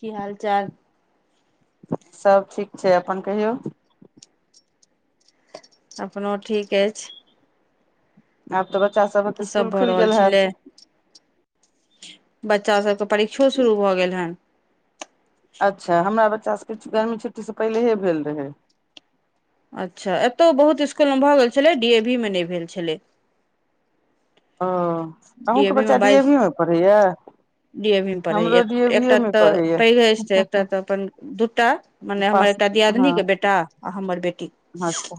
की हाल चाल सब ठीक छै अपन कहियौ अपनो ठीक अछि आब तऽ बच्चा सभक की सब स्कूल भऽ खुलि रहल गेल छलै हायत बच्चा सबके परीक्षो शुरू भऽ गेल हन अच्छा हमरा बच्चा सभके गर्मी छुट्टी से पहिलेहे भेल रहै अच्छा एतहु बहुत स्कुलमे भऽ गेल छलै डी ए वी मे नहि भेल छलै ओ डी ए अहूँके वी बच्चा डी बाइस एभी मे पढ़ैया डी ए भी पढ़ै हमरो डी ए वी ए एकटा मे तऽ पढ़ैया पैघ एकटा तऽ अपन दूटा मने हमर पास एकटा हँ दियादिनीके बेटा आ हमर बेटी अच्छा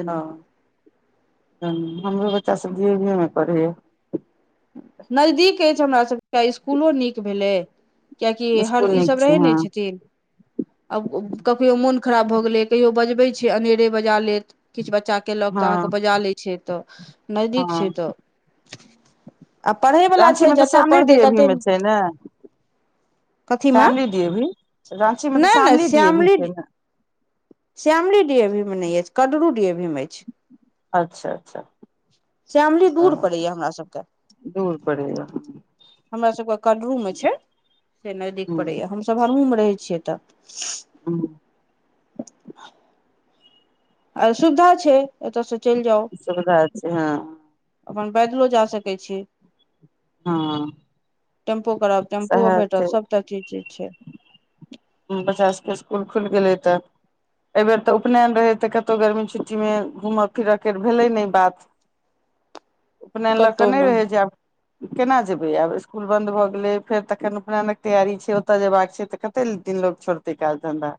दुनू ह हमरो बच्चा सभ डीएभी पढ़ैए नजदीक अछि हमर सभके स्कूल नीक भेलै किएकि हर स्कुल नीक ईसभ छै रहै हँ नहि छथिन आब कखयो मोन खराब भऽ गेलै कहियो बजबे छै, अनेरे बजा लेत किछ बच्चा। केलक तऽ अहाँकेँ हँ बजा ले छै, तऽ नजदीक हँ छै, तऽ आ पढ़यवला राँची छै मे तऽ जतय श्यामली पढ़तै तते डीएवीमे छै ने। कथीमे श्यामली डीएवीमे राँचीमे तऽ नहि नहि श्यामली डीएवीमे सेहो छै ने। श्यामली डीएवीमे नहि अछि, कादरू डीएवीमे अछि। अच्छा, अच्छा। श्यामली ओ दूर पड़ैए हमरा सभके। दूर पड़ैया हमरा सभके कदरू मे छै, से नजदीक हूँ परड़े या हम सभरहु मे रहै छियै तऽ। ह। [inaudible] आर सुविधा छै, एतऽ से चलि जाउ सुविधा छै हँ अपन बैदलो जा सकैत छै। हँ टेम्पो करब टेम्पुओ सएह छै भेटत सभटा चीज छै। बच्चा सभके स्कूल खुलि गेलै तऽ। एहि बेर तऽ उपनयन रहै तऽ कतहु गर्मी छुट्टीमे घूमय फिरऽ के भेलै ने बात। उपनयन लऽ कऽ नहि रहे छै, आब केना जेबै आब स्कुल बन्द भऽ गेलै फेर तखन उपनेनक तैयारी छै, ओतय जेयबाक छै, तऽ खन तन तीन लोक सभके काज दन्ध।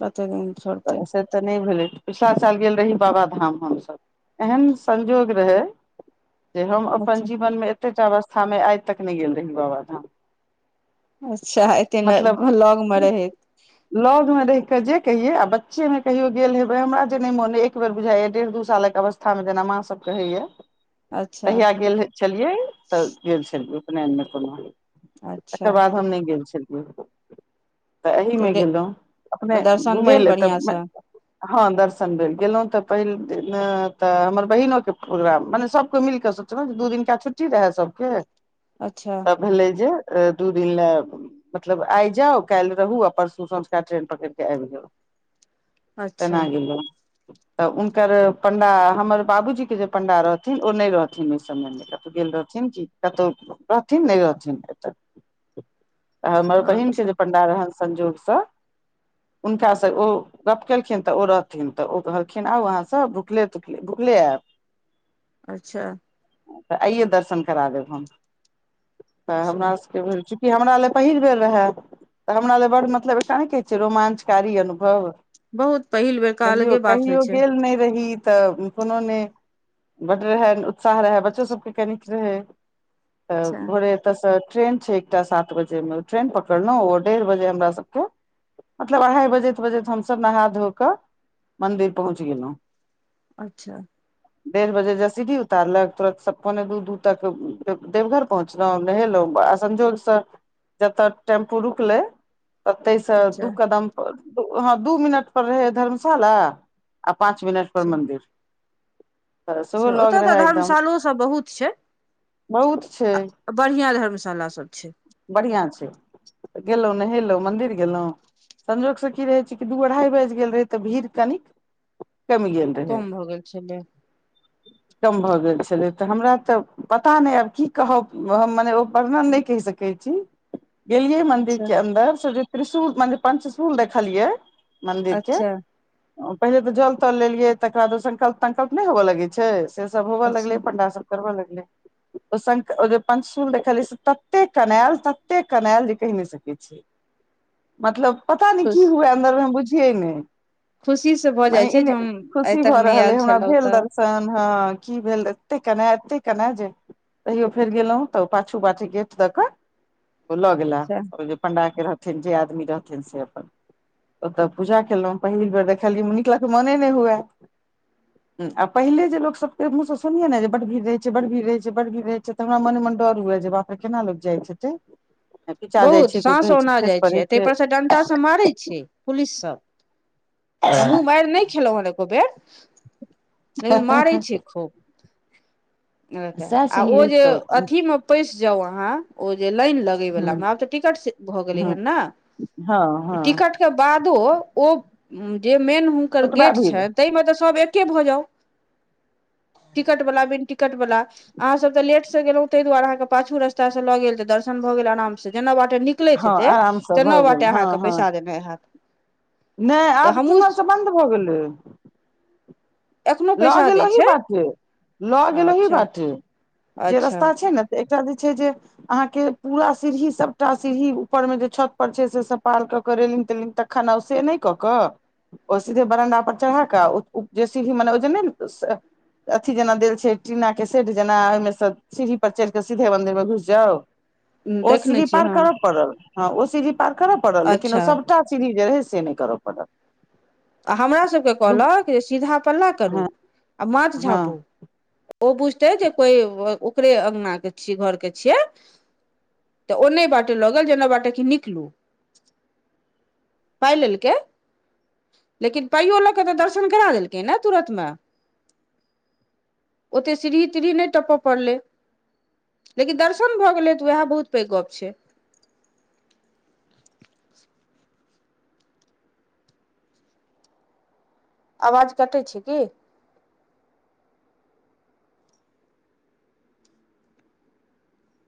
प्रत्येक दिन पढतै। तऽ नहि भेलै पिछला साल गेल रही बाबा धाम हमस एहन संयोग रहै। जे हम अपन अच्छा जीवनमे एतेटा अवस्थामे आइ तक नहि गेल रहहि बाबाधाम। अच्छा, एते ने लगमे रहैत। लगमे रहिके जे कहियै आ बच्चेमे कहियो गेल हेबै हमरा जे नहि मन एक बेर बुझाइय डेढ़ दू सालक अवस्था। खिसा मे जेना माँ सभके कहाइए। अच्छा कहिया गेल छलियै तऽ गेल छलियै उपनयनमे कोनो। एकर अच्छा बाद हम नहि गेल छलियै, तऽ एहि मे गेलहुँ अपने दर्शन घुमै भेल लए बढ़िआँ तब। सँ हँ, दर्शन भेल गेलहुँ तऽ पहिल दिन तऽ हमर बहिनोके प्रोग्राम मने सभके मिलि कऽ। दू दिन का छुट्टी रहै सभके। अच्छा। त भेलै जे दू दिन ले मतलब आइ जाउ काल्हि रहु अपन। सुसंझका ट्रेन पकड़के आबि गेल अच्छा तेना गेल। तऽ हुनकर पंडा हमर बाबूजीके जे पंडा रहथिन ओ नहि रहथिन ओहि समय मे कत गेलेल रहथिन कि कतहु रहथिन नहि रहथिन एतऽ। त हमर बहिनक के अच्छा जे पंडा रहनि संयोगसँ। हुनका से ओ गप्प केलखिन तऽ ओ रहथिन तऽ ओ कहलखिन आ वहा से भुखले। भुखले अएब अच्छा। तऽ आइये दर्शन करा देब हम तऽ अच्छा हमरा सभके इ हमरा ले पहिल बेर रहे तऽ हमरा ले बड म। कऽ कहे छै, रोमांचकारी अनुभव। बहुत पहिल बेरका कहियो अलगे बात होइ कहियो छै गेल नहि रहि तऽ। कोनो नहि बड़ रहै उत्साह रहै बच्चो सभके कनीक रहै। तऽ अच्छा भोरे एतयसँ ट्रेन छै, एकटा सात बजेमे ट्रेन पकड़लहुँ ओ डेढ़ बजे हमरास। के मतलब अढ़ाई बजैत बजैत हमस नहा धो कऽ। मन्दिर पहुँच गेलहु। अच्छा। डेढ़ बजे जसीढ़ी उतारलक तुरत पौने दू दू तक देवघर पहुँच। नहेलहु संजोगसे जतऽ टेम्पू रुकले। ओतै सँ अच्छा दु कदम ह दू मिनट पर रहे धर्मशाला आ पाँंच मिनट पर अच्छा मन्दिर अच्छा ओतय त धर्मशालोसभ बहुत छै बहुत छै आ बढ़िआँ धर्मशाला सभ छै बढ़िया छै त गेलहुँं नहेलहुँं मंदिर गेलहु संजोग से की रहे छै कि दू अढ़ाई बाजि गेल रहे त भीड़ कनिक [unintelligible] कम भ गेल छलै [inaudible] कम भऽ गेल छलै तऽ हमरा तऽ पता नहि आब की कहब हम मने ओ वर्णन नहि कहि सकै कहै छी गेलियै मंन्दिर अच्छा के अन्दर स जे त्रिशूल म पञ्चशूल देखलियै मन्दिरके अच्छा पहिले तऽ जल तल लेलियै तकर बाद संकल्प तंकल्प नहि ह होबय लगै छै सब होब अच्छा लगलै पंडासब करबऽ लगलय [unintelligible] पं्चसूल देखल से तते कनाल तते कनायल जे कहि नहि सकैत छि मतलब पता नहि खुश की हुए अन्दर मे हम बुझियै ने खुशी से भऽ जाइ मने छै जे ई हम आइ खुशी तक भऽ नहि रहल आयल हइ हमरा छलहुँ भेल तऽ दर्शन ते हँ की भेल एते केना एते केना जे तहियो फेर गेलहुँ तऽ पाछू बाटी गेट द क ओ लऽ गेला ओ जे पण्डाक के रहथिन जे आदमी रहथिन से अपन ओतय पूजा केलहुँ पहिल बेर देखलियै नीकलऽ के मोने नहि हुए आ पहिले जे लोको सबके मुँह से सुनियै ने जे बड़ भीड़ रहै छै बड भीड़ रहै छै बड़ भीड़ रहै छै तऽ हमरा मने मन डर हुऐ जे बाप रे केना लोग जायत हेते पीचा जाय बहुत छ कोई साँस कहे छै औना खसि जाइ छै पड़ै ताहि पर से डंटा सब मारे छै पुलिस सब हमहुँ मैर नहि खेलहुं एको बेर लेकिन मारै छै खूब सएह आ ओ सुनियै जे तऽ अथी मे पैस जाउ आहाँ ओ जे लाइन लग इ वाला मे हँ आब त टिकट भ गेल हन न हँ हँ टिकट के बादो ओ जे मेन हुनकर ओतबा गेट भीड़ छे ताहिमे तऽ सब एके भऽ जाउ टिकटवला बिन टिकटवला अहाँ सब तऽ लेट से गेलहुँ ताहि दुआरेहके पाछू रस्ता से लऽ गेल तऽ दर्शन भऽ गेल आराम से जेना बाटे नीक निकलैत हँ हेतै आराम से तऽ भऽ नओ गेल बटे हँ अहाँके हँ पैसा देने हेत नहि आब तिम्हरसँ बन्द भऽ गेलै एखनो लऽ पैसा गेल दै ओही छै बाटे लऽ गेल ओही अच्छा बाटे जे अच्छा रास्ता छै ने एकटा जे छै जे अहाँके पूरा सीढ़ी सबटा सीढ़ी ऊपर मे जे छत पर छै से सब पार कऽ के रेलिन तेलिन तखन आउ से नहि कऽ कऽ ओ सीधे बरंडा पर चढ़ाके जे सीरही मने ओ नहि अथी जेना देल छै टीना के सेड जेना ओहिमे सँ सीरही पर चढ़ि कऽ सीधे मंदिर मे घुइस जाउ ओ देखने सीरही छियै पार हँ करऽ पड़त हँ ओ सीरही पार करय पड़ल लेकिन ओ अच्छा सभटा सीरही जे रहै से नहि करय पड़ल आ हमरा सभकेँ दू कहलक जे सीधा पल्ला करू हँ आ माथ हँ झाँपू ओ बुझतै जे कोइ ओकरे अङ्गनाके छिय घरके छियै तऽ ओने बाटे लगेल जेना बाटे कि निकलू पाइ लेलकै लेकिन पाइयो लऽ कऽ तऽ दर्शन करा देलकै ने तुरन्तमे ओते सीरही तिरही नहि टपय पड़लय लेकिन दर्शन भए गेले तऽ ऊहए बहुत पैघ गप्प छै आवाज कटै छै की